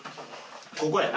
ここやな。